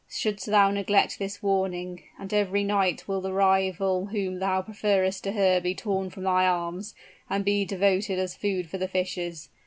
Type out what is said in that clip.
Shouldst thou neglect this warning, then every night will the rival whom thou preferrest to her be torn from thine arms, and be devoted as food for the fishes.